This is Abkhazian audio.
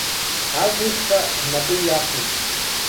Агәырқьҳәа рнапы иҩахеит.